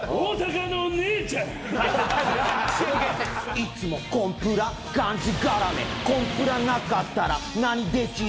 「いつもコンプラがんじがらめ」「コンプラなかったら何できる？」